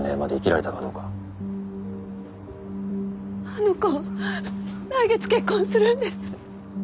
あの子来月結婚するんです。